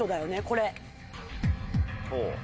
これ。